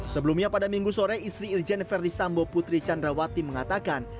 sebelumnya pada minggu sore istri irjen verdi sambo putri candrawati mengatakan